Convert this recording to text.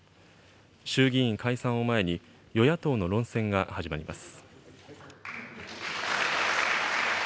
衆議院解散を前に、与野党の論戦が始まります。